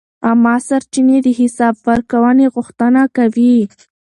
عامه سرچینې د حساب ورکونې غوښتنه کوي.